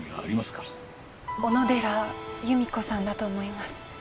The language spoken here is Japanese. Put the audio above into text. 小野寺由美子さんだと思います。